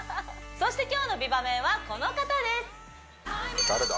そして今日の美バメンはこの方です誰だ？